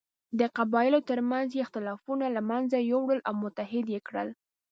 د قبایلو تر منځ یې اختلافونه له منځه یووړل او متحد یې کړل.